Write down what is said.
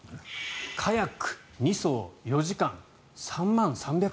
カヤック、２艘４時間３万３００円。